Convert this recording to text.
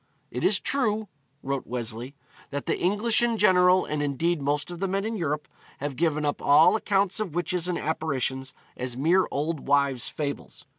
'It is true,' wrote Wesley, 'that the English in general, and indeed most of the men in Europe, have given up all accounts of witches and apparitions as mere old wives' fables.